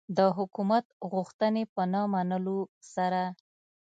د حکومت غوښتنې په نه منلو سره.